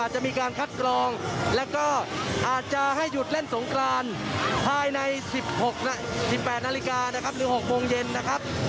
จะมีการคัดกรองแล้วก็อาจจะให้หยุดเล่นสงกรานภายใน๑๘นาฬิกานะครับหรือ๖โมงเย็นนะครับ